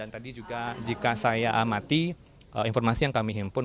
jadi juga jika saya amati informasi yang kami himpun